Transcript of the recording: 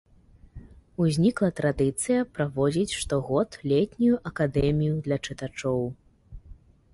Узнікла традыцыя праводзіць штогод летнюю акадэмію для чытачоў.